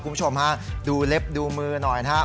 คุณผู้ชมฮะดูเล็บดูมือหน่อยนะครับ